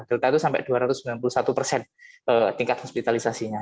delta itu sampai dua ratus sembilan puluh satu persen tingkat hospitalisasinya